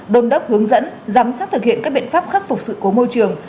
đôn đốc hướng dẫn giám sát thực hiện các biện pháp khắc phục sự cố môi trường